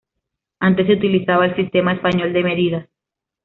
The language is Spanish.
Antes se utilizaba el sistema español de medidas.